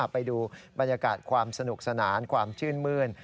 ไปดูบรรยากาศความสนุกสนานความชื่นมื้น